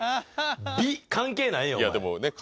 美関係ないよお前。